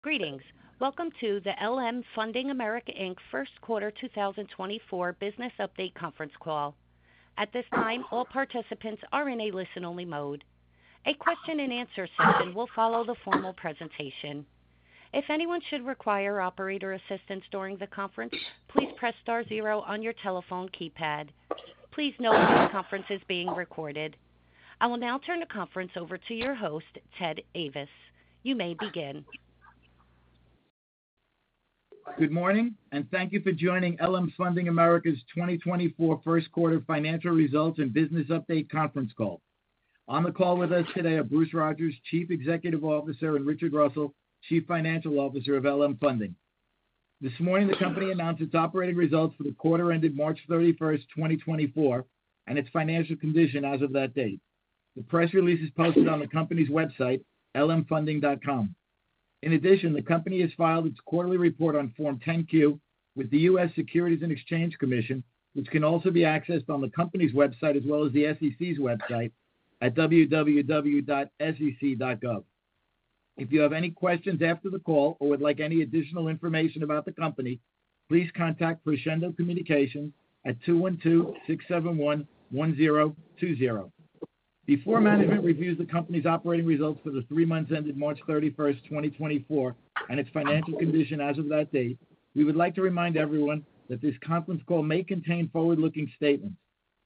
Greetings! Welcome to the LM Funding America Inc. First Quarter 2024 Business Update Conference Call. At this time, all participants are in a listen-only mode. A question-and-answer session will follow the formal presentation. If anyone should require operator assistance during the conference, please press star zero on your telephone keypad. Please note that the conference is being recorded. I will now turn the conference over to your host, Ted Ayvas. You may begin. Good morning, and thank you for joining LM Funding America's 2024 first quarter financial results and business update conference call. On the call with us today are Bruce Rodgers, Chief Executive Officer, and Richard Russell, Chief Financial Officer of LM Funding. This morning, the company announced its operating results for the quarter ended March 31, 2024, and its financial condition as of that date. The press release is posted on the company's website, lmfunding.com. In addition, the company has filed its quarterly report on Form 10-Q with the U.S. Securities and Exchange Commission, which can also be accessed on the company's website, as well as the SEC's website at www.sec.gov. If you have any questions after the call or would like any additional information about the company, please contact Crescendo Communications at 212-671-1020. Before management reviews the company's operating results for the three months ended March 31, 2024, and its financial condition as of that date, we would like to remind everyone that this conference call may contain forward-looking statements.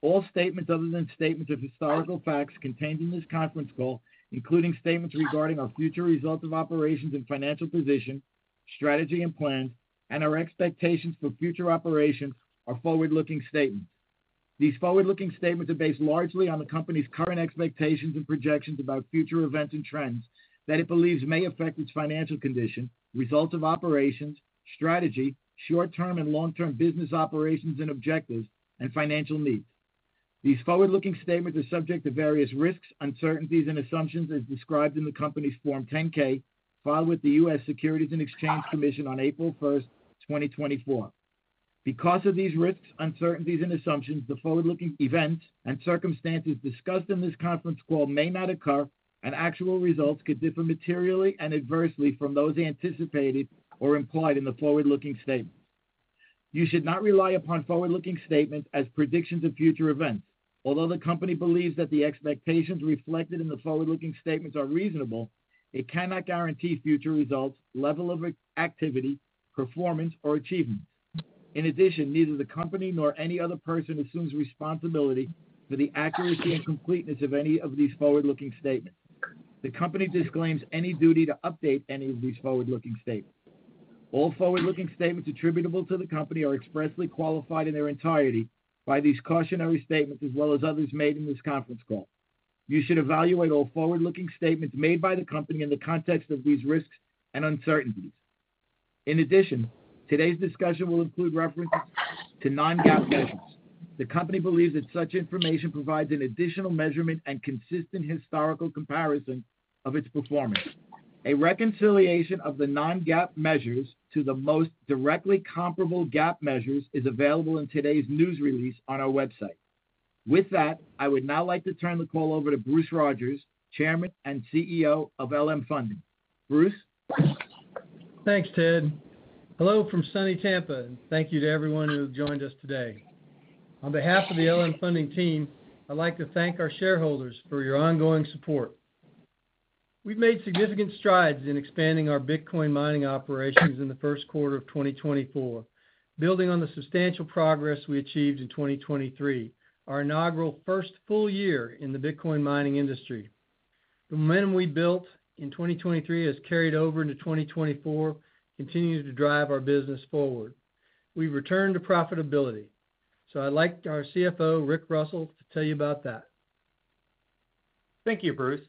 All statements other than statements of historical facts contained in this conference call, including statements regarding our future results of operations and financial position, strategy and plans, and our expectations for future operations, are forward-looking statements. These forward-looking statements are based largely on the company's current expectations and projections about future events and trends that it believes may affect its financial condition, results of operations, strategy, short-term and long-term business operations and objectives, and financial needs. These forward-looking statements are subject to various risks, uncertainties, and assumptions as described in the company's Form 10-K, filed with the U.S. Securities and Exchange Commission on April 1, 2024. Because of these risks, uncertainties, and assumptions, the forward-looking events and circumstances discussed in this conference call may not occur, and actual results could differ materially and adversely from those anticipated or implied in the forward-looking statements. You should not rely upon forward-looking statements as predictions of future events. Although the company believes that the expectations reflected in the forward-looking statements are reasonable, it cannot guarantee future results, level of activity, performance, or achievement. In addition, neither the company nor any other person assumes responsibility for the accuracy and completeness of any of these forward-looking statements. The company disclaims any duty to update any of these forward-looking statements. All forward-looking statements attributable to the company are expressly qualified in their entirety by these cautionary statements, as well as others made in this conference call. You should evaluate all forward-looking statements made by the company in the context of these risks and uncertainties. In addition, today's discussion will include references to non-GAAP measures. The company believes that such information provides an additional measurement and consistent historical comparison of its performance. A reconciliation of the non-GAAP measures to the most directly comparable GAAP measures is available in today's news release on our website. With that, I would now like to turn the call over to Bruce Rogers, Chairman and CEO of LM Funding. Bruce? Thanks, Ted. Hello from sunny Tampa, and thank you to everyone who has joined us today. On behalf of the LM Funding team, I'd like to thank our shareholders for your ongoing support. We've made significant strides in expanding our Bitcoin mining operations in the first quarter of 2024, building on the substantial progress we achieved in 2023, our inaugural first full year in the Bitcoin mining industry. The momentum we built in 2023 has carried over into 2024, continuing to drive our business forward. We've returned to profitability, so I'd like our CFO, Rick Russell, to tell you about that. Thank you, Bruce.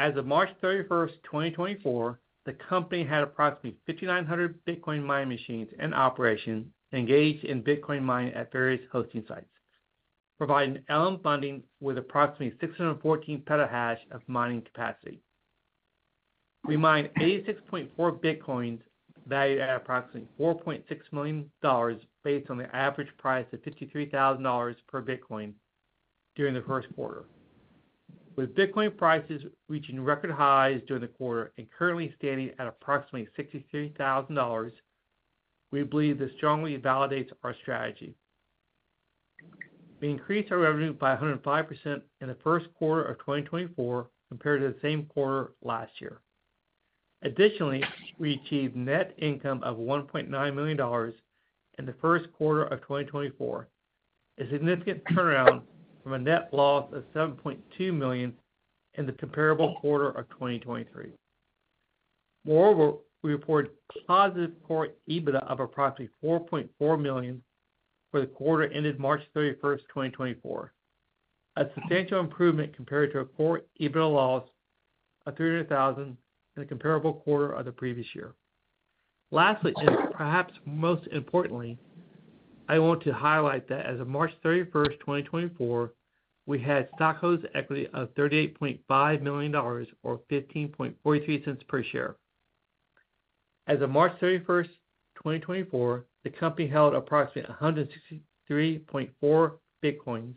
As of March 31, 2024, the company had approximately 5,900 Bitcoin mining machines in operation, engaged in Bitcoin mining at various hosting sites, providing LM Funding with approximately 614 petahash of mining capacity. We mined 86.4 Bitcoins, valued at approximately $4.6 million, based on the average price of $53,000 per Bitcoin during the first quarter. With Bitcoin prices reaching record highs during the quarter and currently standing at approximately $63,000, we believe this strongly validates our strategy. We increased our revenue by 105% in the first quarter of 2024 compared to the same quarter last year. Additionally, we achieved net income of $1.9 million in the first quarter of 2024, a significant turnaround from a net loss of $7.2 million in the comparable quarter of 2023. Moreover, we reported positive Core EBITDA of approximately $4.4 million for the quarter ended March 31, 2024, a substantial improvement compared to a Core EBITDA loss of $300,000 in the comparable quarter of the previous year. Lastly, and perhaps most importantly, I want to highlight that as of March 31, 2024, we had stockholders' equity of $38.5 million, or $0.1543 per share. As of March 31, 2024, the company held approximately 163.4 Bitcoins,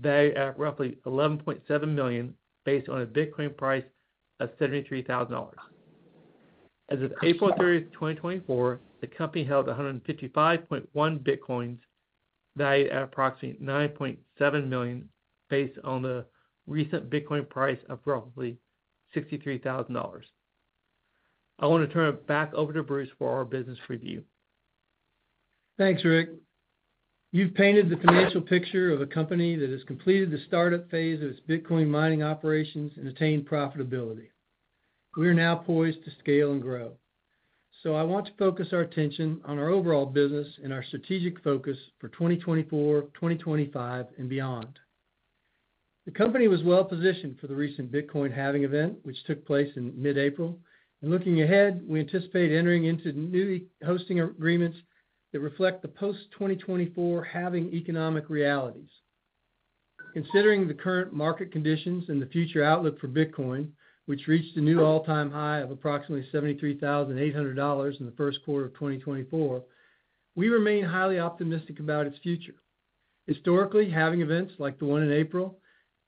valued at roughly $11.7 million, based on a Bitcoin price of $73,000. As of April 30, 2024, the company held 155.1 Bitcoins, valued at approximately $9.7 million, based on the recent Bitcoin price of roughly $63,000. I want to turn it back over to Bruce for our business review. Thanks, Rick. You've painted the financial picture of a company that has completed the start-up phase of its Bitcoin mining operations and attained profitability. We are now poised to scale and grow. So I want to focus our attention on our overall business and our strategic focus for 2024, 2025, and beyond. The company was well-positioned for the recent Bitcoin halving event, which took place in mid-April. And looking ahead, we anticipate entering into new hosting agreements that reflect the post-2024 halving economic realities. Considering the current market conditions and the future outlook for Bitcoin, which reached a new all-time high of approximately $73,800 in the first quarter of 2024, we remain highly optimistic about its future. Historically, halving events, like the one in April,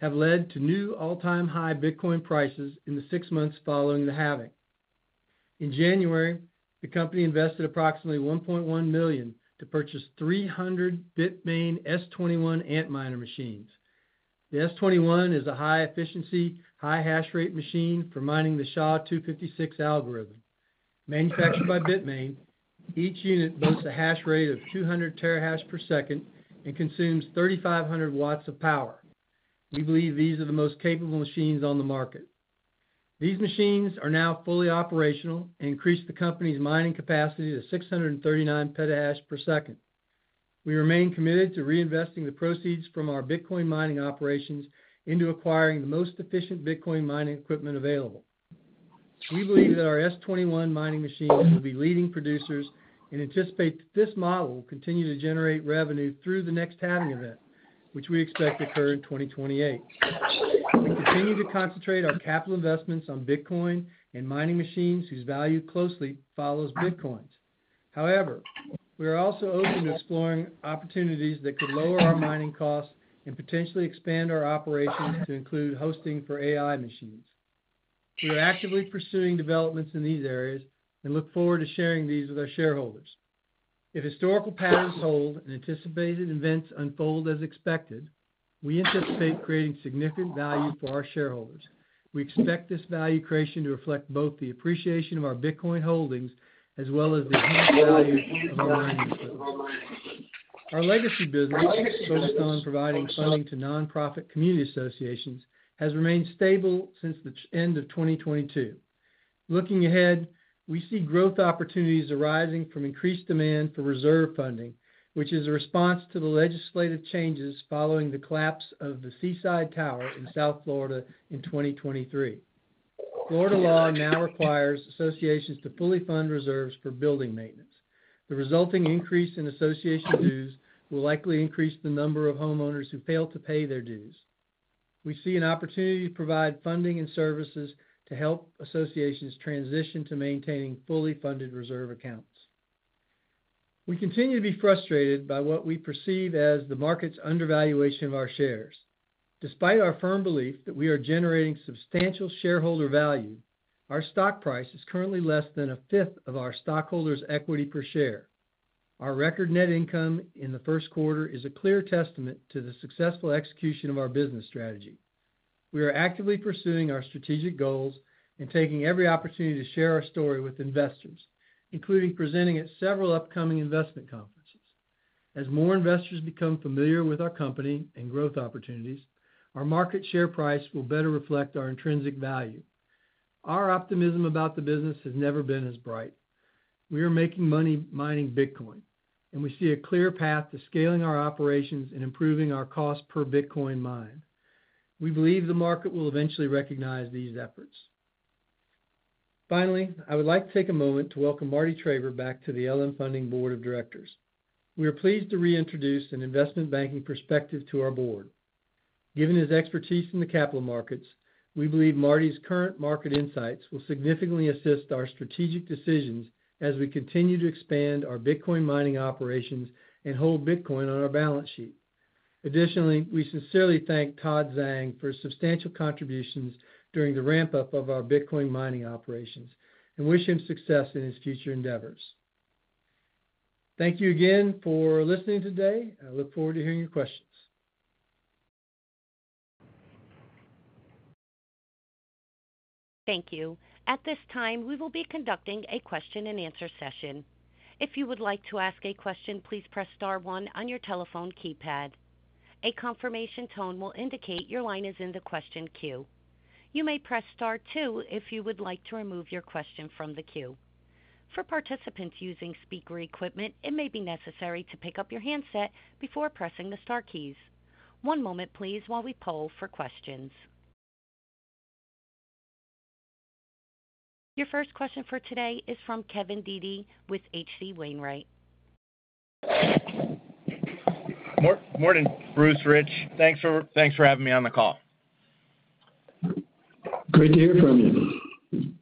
have led to new all-time high Bitcoin prices in the six months following the halving. In January, the company invested approximately $1.1 million to purchase 300 Bitmain S21 Antminer machines. The S21 is a high-efficiency, high-hash rate machine for mining the SHA-256 algorithm. Manufactured by Bitmain, each unit boasts a hash rate of 200 TH/s and consumes 3,500 W of power. We believe these are the most capable machines on the market. These machines are now fully operational and increase the company's mining capacity to 639 PH/s. We remain committed to reinvesting the proceeds from our Bitcoin mining operations into acquiring the most efficient Bitcoin mining equipment available. We believe that our S21 mining machines will be leading producers and anticipate that this model will continue to generate revenue through the next halving event, which we expect to occur in 2028. We continue to concentrate our capital investments on Bitcoin and mining machines whose value closely follows Bitcoins. However, we are also open to exploring opportunities that could lower our mining costs and potentially expand our operations to include hosting for AI machines. We are actively pursuing developments in these areas and look forward to sharing these with our shareholders. If historical patterns hold and anticipated events unfold as expected, we anticipate creating significant value for our shareholders. We expect this value creation to reflect both the appreciation of our Bitcoin holdings as well as the huge value of our mining. Our legacy business, focused on providing funding to nonprofit community associations, has remained stable since the end of 2022. Looking ahead, we see growth opportunities arising from increased demand for reserve funding, which is a response to the legislative changes following the collapse of the Seaside Tower in South Florida in 2023. Florida law now requires associations to fully fund reserves for building maintenance. The resulting increase in association dues will likely increase the number of homeowners who fail to pay their dues. We see an opportunity to provide funding and services to help associations transition to maintaining fully funded reserve accounts. We continue to be frustrated by what we perceive as the market's undervaluation of our shares. Despite our firm belief that we are generating substantial shareholder value, our stock price is currently less than a fifth of our stockholders' equity per share. Our record net income in the first quarter is a clear testament to the successful execution of our business strategy. We are actively pursuing our strategic goals and taking every opportunity to share our story with investors, including presenting at several upcoming investment conferences. As more investors become familiar with our company and growth opportunities, our market share price will better reflect our intrinsic value. Our optimism about the business has never been as bright. We are making money mining Bitcoin, and we see a clear path to scaling our operations and improving our cost per Bitcoin mined. We believe the market will eventually recognize these efforts. Finally, I would like to take a moment to welcome Marty Traber back to the LM Funding Board of Directors. We are pleased to reintroduce an investment banking perspective to our board. Given his expertise in the capital markets, we believe Marty's current market insights will significantly assist our strategic decisions as we continue to expand our Bitcoin mining operations and hold Bitcoin on our balance sheet. Additionally, we sincerely thank Todd Zhang for his substantial contributions during the ramp-up of our Bitcoin mining operations and wish him success in his future endeavors. Thank you again for listening today, and I look forward to hearing your questions. Thank you. At this time, we will be conducting a question-and-answer session. If you would like to ask a question, please press star one on your telephone keypad. A confirmation tone will indicate your line is in the question queue. You may press star two if you would like to remove your question from the queue. For participants using speaker equipment, it may be necessary to pick up your handset before pressing the star keys. One moment, please, while we poll for questions. Your first question for today is from Kevin Dede with H.C. Wainwright. Morning, Bruce, Rich. Thanks for having me on the call.... Great to hear from you.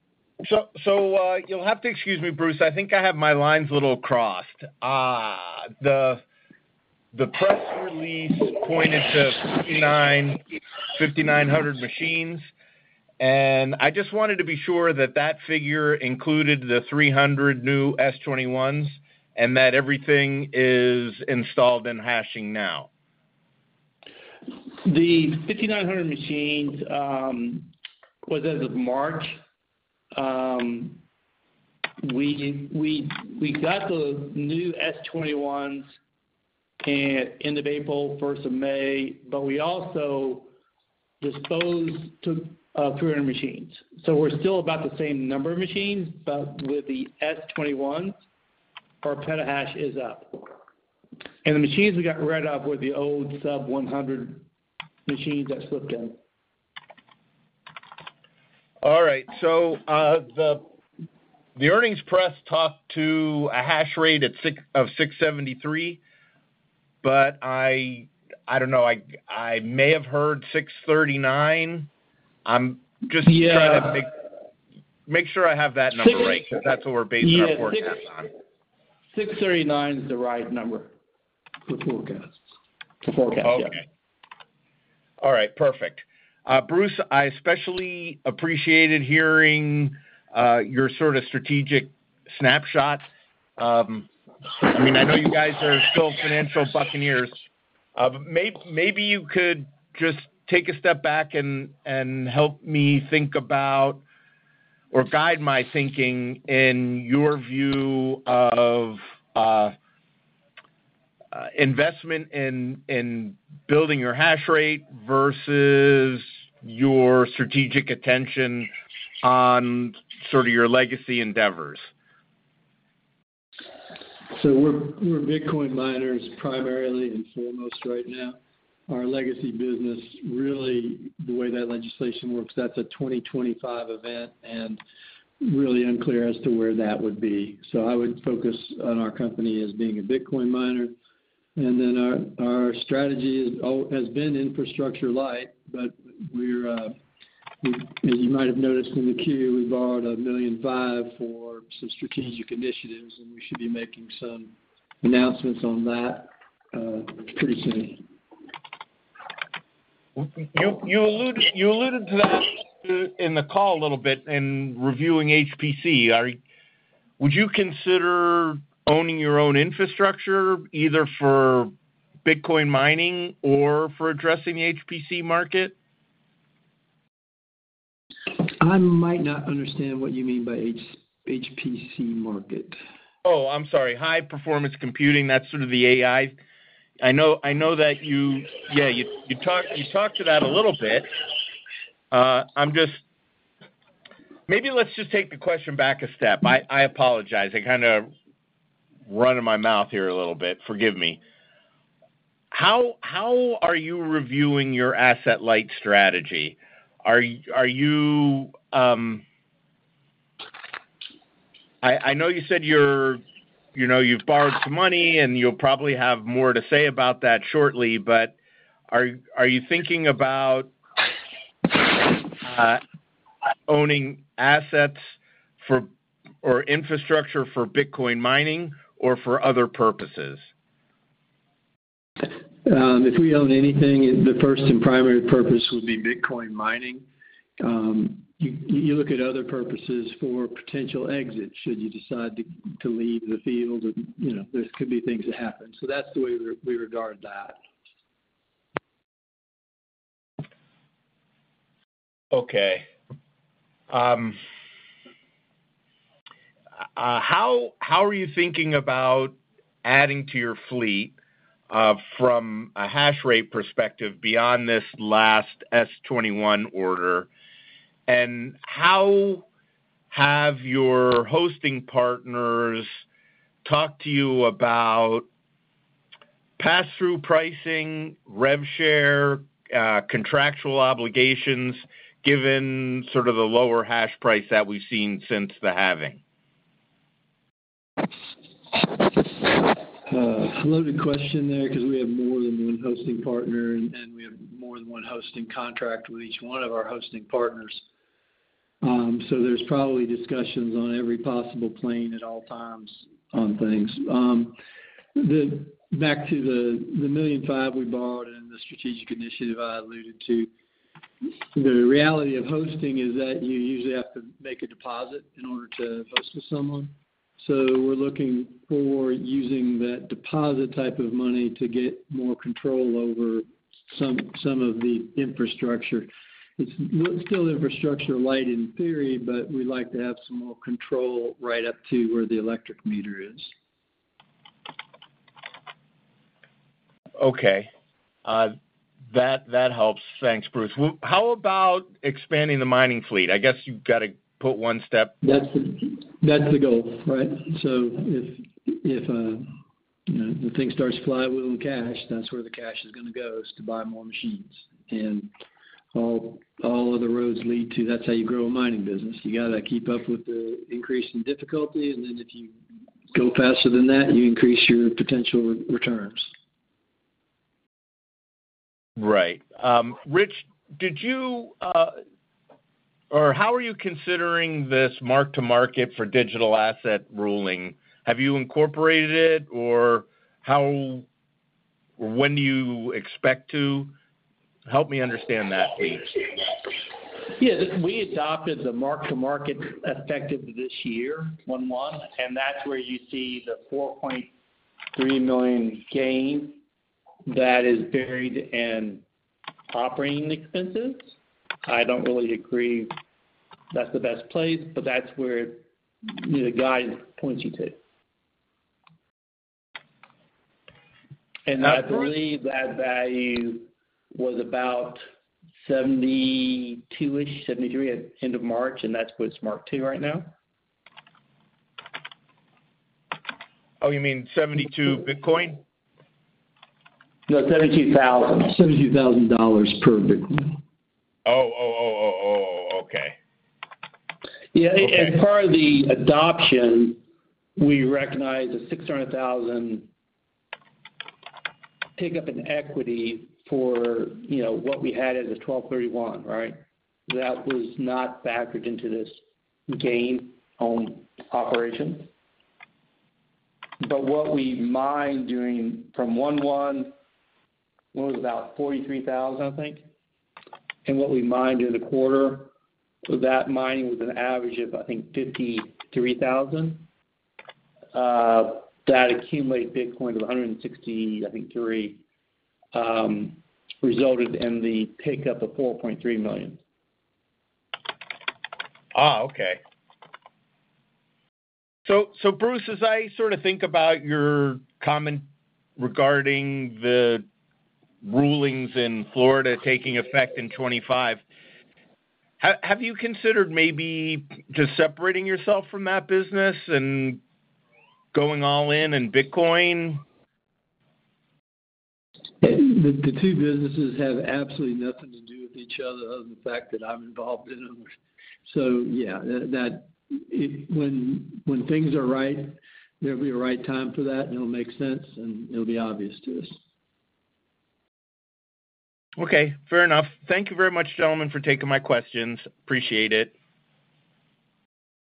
You'll have to excuse me, Bruce. I think I have my lines a little crossed. The press release pointed to 5,900 machines, and I just wanted to be sure that that figure included the 300 new S21s, and that everything is installed and hashing now. The 5,900 machines was as of March. We got the new S21s at end of April, first of May, but we also disposed to 300 machines. So we're still about the same number of machines, but with the S21s, our petahash is up. And the machines we got rid of were the old sub-100 machines that slipped in. All right. So, the earnings press talked to a hash rate at 673, but I don't know, I may have heard 639. I'm just- Yeah. trying to make sure I have that number right. Six- 'Cause that's what we're basing our forecast on. 639 is the right number for forecasts. To forecast, yeah. Okay. All right, perfect. Bruce, I especially appreciated hearing your sort of strategic snapshot. I mean, I know you guys are still financial buccaneers. Maybe you could just take a step back and help me think about or guide my thinking in your view of investment in building your hash rate versus your strategic attention on sort of your legacy endeavors. So we're Bitcoin miners, primarily and foremost right now. Our legacy business, really, the way that legislation works, that's a 2025 event, and really unclear as to where that would be. So I would focus on our company as being a Bitcoin miner. And then our strategy has been infrastructure light, but we're as you might have noticed in the Q, we borrowed $1.5 million for some strategic initiatives, and we should be making some announcements on that pretty soon. You alluded to that in the call a little bit in reviewing HPC. Would you consider owning your own infrastructure, either for Bitcoin mining or for addressing the HPC market? I might not understand what you mean by HPC market. Oh, I'm sorry, high performance computing. That's sort of the AI. I know, I know that you... Yeah, you talked, you talked to that a little bit. I'm just. Maybe let's just take the question back a step. I apologize. I kind of running my mouth here a little bit, forgive me. How are you reviewing your asset light strategy? Are you... I know you said you're, you know, you've borrowed some money, and you'll probably have more to say about that shortly, but are you thinking about owning assets for, or infrastructure for Bitcoin mining or for other purposes? If we own anything, the first and primary purpose would be Bitcoin mining. You look at other purposes for potential exit, should you decide to leave the field, you know, there could be things that happen. So that's the way we regard that. Okay. How are you thinking about adding to your fleet from a hash rate perspective beyond this last S21 order? And how have your hosting partners talked to you about pass-through pricing, rev share, contractual obligations, given sort of the lower hash price that we've seen since the halving? Loaded question there, because we have more than one hosting partner, and we have more than one hosting contract with each one of our hosting partners. So there's probably discussions on every possible plane at all times on things. Back to the, the $1.5 million we borrowed and the strategic initiative I alluded to, the reality of hosting is that you usually have to make a deposit in order to host with someone. So we're looking for using that deposit type of money to get more control over some of the infrastructure. It's still infrastructure light in theory, but we like to have some more control right up to where the electric meter is. Okay. That helps. Thanks, Bruce. Well, how about expanding the mining fleet? I guess you've got to put one step- That's the goal, right? So if you know, the thing starts flying with cash, that's where the cash is gonna go, is to buy more machines. And all of the roads lead to that's how you grow a mining business. You got to keep up with the increase in difficulty, and then if you go faster than that, you increase your potential returns. Right. Rick, did you or how are you considering this mark-to-market for digital asset ruling? Have you incorporated it, or how, when do you expect to? Help me understand that, please. Yeah, we adopted the mark-to-market effective this year, 1/1, and that's where you see the $4.3 million gain that is buried in operating expenses. I don't really agree that's the best place, but that's where, you know, the guide points you to. And that- I believe that value was about 72-ish, 73 at end of March, and that's what it's marked to right now. Oh, you mean 72 Bitcoin? No, $72,000. $72,000 per Bitcoin. Oh, oh, oh, oh, oh, oh, okay. Yeah, and part of the adoption, we recognize a $600,000 pick-up in equity for, you know, what we had as of 12/31, right? That was not factored into this gain on operation. But what we mined during from 1/1 was about $43,000, I think. And what we mined in the quarter, so that mining was an average of, I think, $53,000. That accumulated Bitcoin to 163, I think, resulted in the pick-up of $4.3 million. Ah, okay. So, Bruce, as I sort of think about your comment regarding the rulings in Florida taking effect in 2025, have you considered maybe just separating yourself from that business and going all in in Bitcoin? The two businesses have absolutely nothing to do with each other than the fact that I'm involved in them. So, yeah, that, when things are right, there'll be a right time for that, and it'll make sense, and it'll be obvious to us. Okay, fair enough. Thank you very much, gentlemen, for taking my questions. Appreciate it.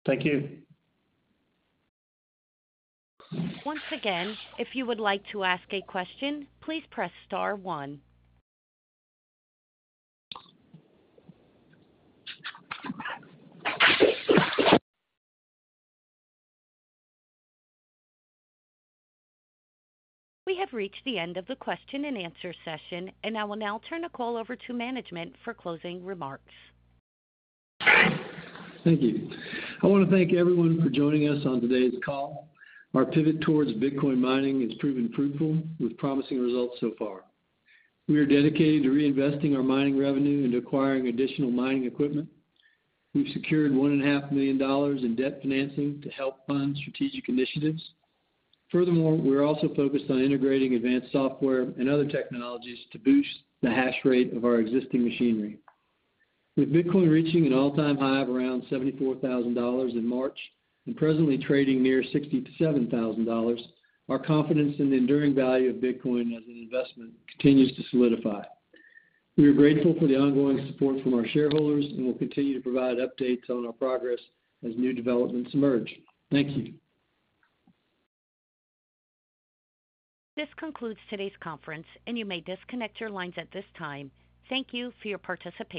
Thank you. Once again, if you would like to ask a question, please press star one. We have reached the end of the question and answer session, and I will now turn the call over to management for closing remarks. Thank you. I want to thank everyone for joining us on today's call. Our pivot towards Bitcoin mining has proven fruitful, with promising results so far. We are dedicated to reinvesting our mining revenue into acquiring additional mining equipment. We've secured $1.5 million in debt financing to help fund strategic initiatives. Furthermore, we're also focused on integrating advanced software and other technologies to boost the hash rate of our existing machinery. With Bitcoin reaching an all-time high of around $74,000 in March and presently trading near $67,000, our confidence in the enduring value of Bitcoin as an investment continues to solidify. We are grateful for the ongoing support from our shareholders, and we'll continue to provide updates on our progress as new developments emerge. Thank you. This concludes today's conference, and you may disconnect your lines at this time. Thank you for your participation.